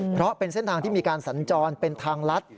เพราะเป็นเส้นทางที่มีการสัญจรเป็นทางลัด